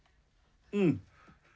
うん。